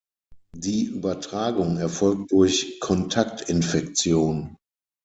Die Übertragung erfolgt durch Kontaktinfektion.